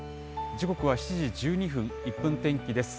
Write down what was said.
時刻は７時１２分、１分天気です。